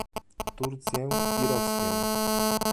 Turcję i Rosję